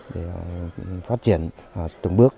để phát triển từng bước